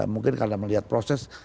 mungkin kalau melihat proses